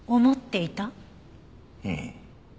うん。